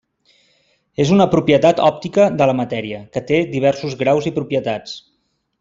És una propietat òptica de la matèria, que té diversos graus i propietats.